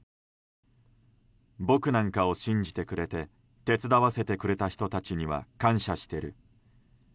僕なんかを信じてくれて手伝わせてくれた人たちには感謝してる。